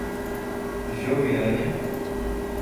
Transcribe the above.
Joviânia